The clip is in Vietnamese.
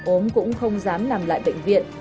ốm cũng không dám làm lại bệnh viện